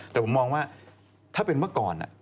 แต่ผมมองว่าถ้าเป็นเมื่อก่อน